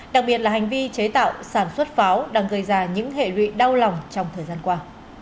đặc biệt là hành vi chế tạo sản xuất pháo đang gây ra những hệ lụy đau lòng trong thời gian qua